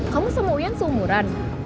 kamu sama uyan seumuran